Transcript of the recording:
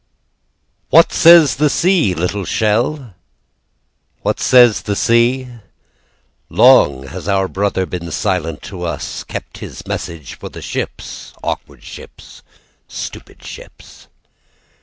What says the sea, little shell? "What says the sea? "Long has our brother been silent to us, "Kept his message for the ships, "Awkward ships, stupid ships."